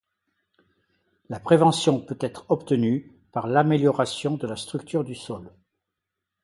La prévention peut être obtenue par l'amélioration de la structure du sol.